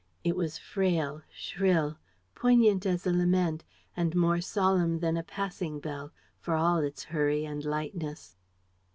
It was frail, shrill, poignant as a lament and more solemn than a passing bell, for all its hurry and lightness.